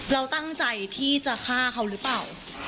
แล้วอ่านจะใช้ใจที่จะฆ่าเขาหรือเปล่า